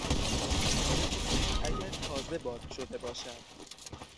بخصوص اگر تازه باد شده باشد.